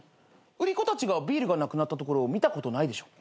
売り子たちがビールがなくなったところを見たことないでしょ？